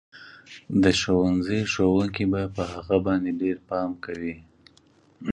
د ښوونځي ښوونکي به په هغه باندې ډېر پام کوي